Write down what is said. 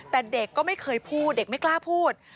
แต่เด็กก็ไม่เคยพูดเด็กไม่กล้าพูด